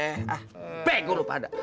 ah pegang lo pada